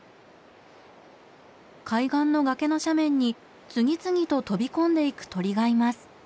海岸の崖の斜面に次々と飛び込んでいく鳥がいます。